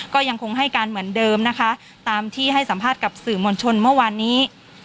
ก็ยังคงให้การเหมือนเดิมนะคะตามที่ให้สัมภาษณ์กับสื่อมวลชนเมื่อวานนี้